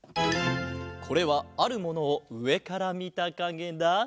これはあるものをうえからみたかげだ。